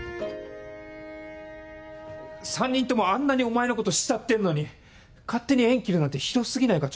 ３人ともあんなにお前のこと慕ってんのに勝手に縁切るなんてひど過ぎないか？